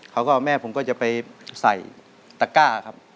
เขาก็แม่ผมก็จะไปใส่ตะก้าครับ